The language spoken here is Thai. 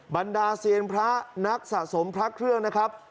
บรรดาเซียนพระนักสะสมพระเครื่องนะครับ